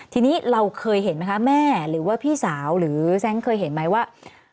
ทีนี้เราเคยเห็นไหมคะแม่หรือว่าพี่สาวหรือแซงเคยเห็นไหมว่า